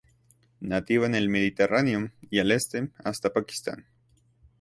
Nativa en el Mediterráneo y, al Este, hasta Pakistán.